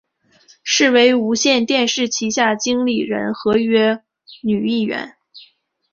现为无线电视旗下经理人合约女艺员。